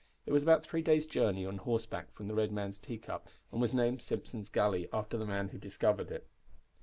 It was about three days' journey on horseback from the Red Man's Teacup, and was named Simpson's Gully, after the man who discovered it.